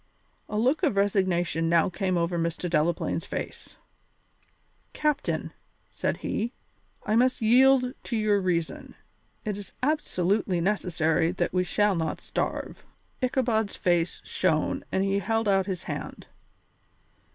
A look of resignation now came over Mr. Delaplaine's face. "Captain," said he, "I must yield to your reason; it is absolutely necessary that we shall not starve." Ichabod's face shone and he held out his hand.